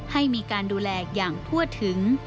ให้มีการดูแลอย่างทั่วถึง